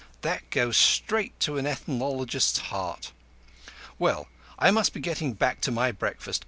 That goes straight to an ethnologist's heart. Well, I must be getting back to my breakfast.